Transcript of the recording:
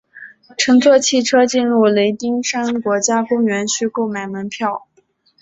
乘坐汽车进入雷丁山国家公园需购买门票。